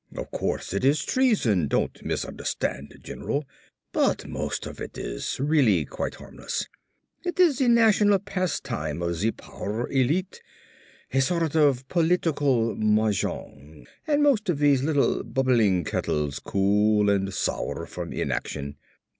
Of course it is treason, don't misunderstand, general, but most of it is really quite harmless. It is the national pastime of the power elite; a sort of political mah jongg and most of these little bubbling kettles cool and sour from inaction.